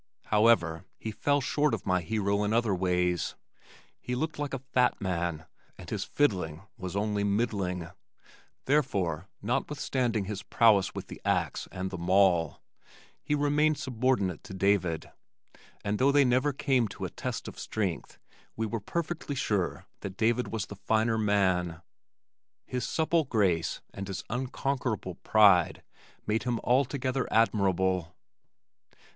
However, he fell short of my hero in other ways. He looked like a fat man and his fiddling was only middling, therefore, notwithstanding his prowess with the axe and the maul, he remained subordinate to David, and though they never came to a test of strength we were perfectly sure that David was the finer man. His supple grace and his unconquerable pride made him altogether admirable.